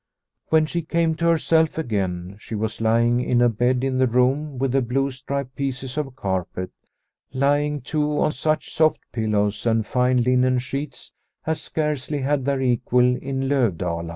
When she came to herself again she was lying in a bed in the room with the blue striped pieces of carpet, lying too on such soft pillows and fine linen sheets as scarcely had their equal in Lovdala.